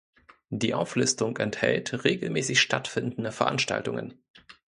Die Auflistung enthält regelmäßig stattfindende Veranstaltungen.